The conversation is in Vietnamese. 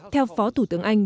theo phó thủ tướng anh